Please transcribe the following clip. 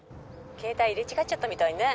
「携帯入れ違っちゃったみたいね」